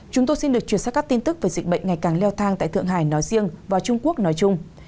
chúng tôi xin được chuyển sang các tin tức về dịch bệnh ngày càng leo thang tại thượng hải nói riêng và trung quốc nói chung